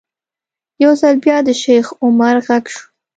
یو ځل بیا د شیخ عمر غږ شو.